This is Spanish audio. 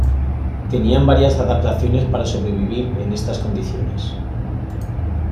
Tenían varias adaptaciones para sobrevivir en estas condiciones.